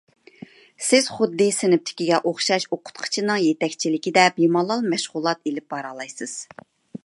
سىز خۇددى سىنىپتىكىگە ئوخشاش ئوقۇتقۇچىنىڭ يېتەكچىلىكىدە بىمالال مەشغۇلات ئېلىپ بارالايسىز.